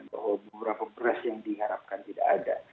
bahwa beberapa beras yang diharapkan tidak ada